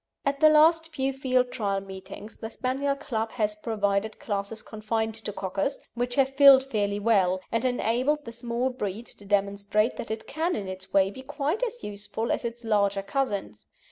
At the last few Field Trial meetings the Spaniel Club has provided classes confined to Cockers, which have filled fairly well, and enabled the small breed to demonstrate that it can in its way be quite as useful as its larger cousins.